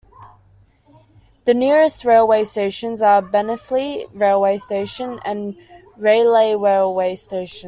The nearest railway stations are Benfleet railway station and Rayleigh railway station.